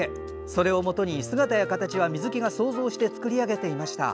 それをもとに姿や形は水木が想像して作り上げていました。